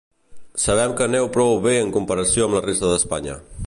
Sabem que aneu prou bé en comparació amb la resta d’Espanya.